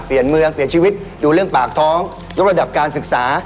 เปลี่ยนเมืองเปลี่ยนชีวิตดูเรื่องปากท้องยกระดับการศึกษา